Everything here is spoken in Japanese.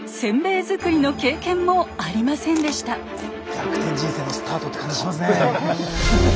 「逆転人生」のスタートって感じしますね。